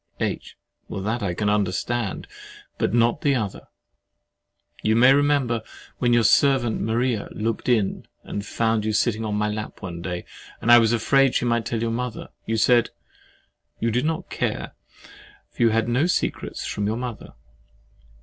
H. That I can understand, but not the other. You may remember, when your servant Maria looked in and found you sitting in my lap one day, and I was afraid she might tell your mother, you said "You did not care, for you had no secrets from your mother."